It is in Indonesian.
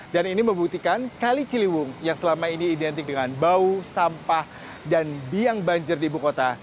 dan ini membuktikan kali ciliwung yang selama ini identik dengan bau sampah dan biang banjir di ibu kota